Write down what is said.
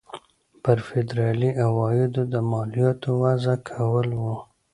پر فدرالي عوایدو د مالیاتو وضع کول وو.